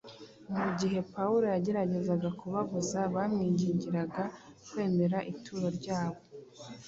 Igihe Pawulo yageragezaga kubabuza bamwingingiraga kwemera ituro ryabo